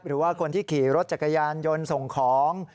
หรือว่าคนที่ขี่รถจักรยานยนต์ส่งของ